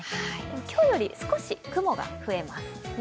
今日より少し雲が増えます。